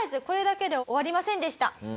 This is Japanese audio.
これだけで終わりませんでした。